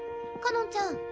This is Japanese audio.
かのんちゃん。